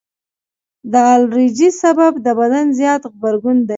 د الرجي سبب د بدن زیات غبرګون دی.